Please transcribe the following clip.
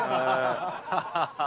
ハハハハ！